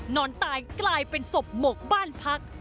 นอนตายกลายเป็นศพหมกบ้านพัก